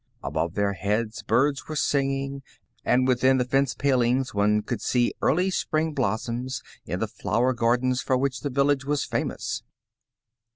Above their heads, birds were sing ing, and within the fence palings one could see early spring blossoms, in the flower gardens for which the village was famous.